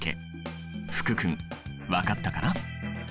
福君分かったかな？